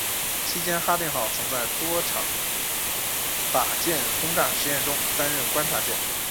期间哈定号曾在多场靶舰轰炸实验中担任观察舰。